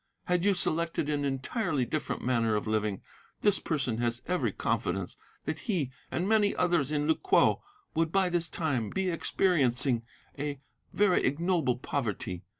Had you selected an entirely different manner of living, this person has every confidence that he, and many others in Lu kwo, would by this time be experiencing a very ignoble poverty.